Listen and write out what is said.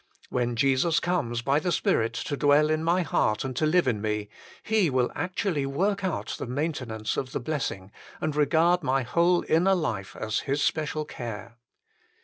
When Jesus conies by the Spirit to dwell in nay heart and to live in me, He will actually work out the maintenance of the blessing and regard my whole inner life as His special care.